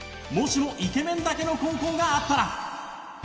『もしも、イケメンだけの高校があったら』。